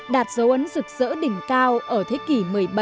đạt dấu ấn rực rỡ đỉnh cao ở thế kỷ một mươi bảy